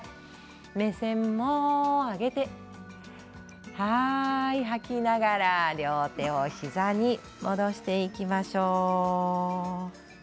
目線も上げて、吐きながら両手を膝に戻していきましょう。